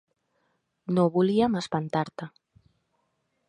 No volíem espantar-te.